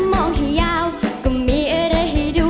มองให้ยาวก็มีอะไรให้ดู